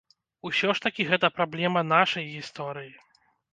Усё ж такі гэта праблема нашай гісторыі.